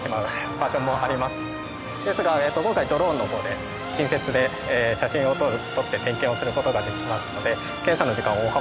ですが今回ドローンの方で近接で写真を撮って点検をする事ができますので。